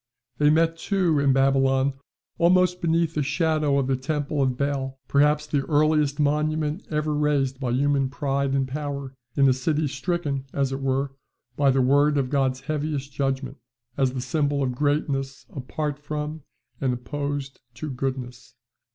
They met, too, in Babylon, almost beneath the shadow of the temple of Bel, perhaps the earliest monument ever raised by human pride and power, in a city stricken, as it were, by the word of God's heaviest judgment, as the symbol of greatness apart from and opposed to goodness."